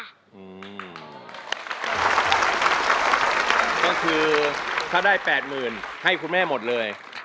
ก็คือถ้าได้๘๐๐๐ให้คุณแม่หมดเลย